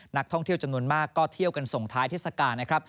นักท่องเที่ยวจำนวนมากก็เที่ยวกันส่งท้ายเทศกาลนะครับ